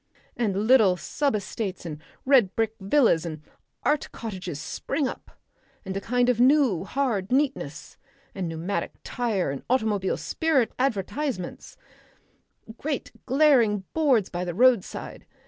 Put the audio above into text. And little sub estates and red brick villas and art cottages spring up. And a kind of new, hard neatness. And pneumatic tyre and automobile spirit advertisements, great glaring boards by the roadside.